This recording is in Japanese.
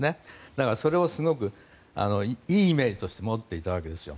だから、それをすごくいいイメージとして持っていたわけですよ。